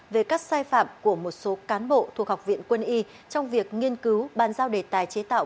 về các sai phạm của một số cán bộ thuộc học viện quân y trong việc nghiên cứu ban giao đề tài chế tạo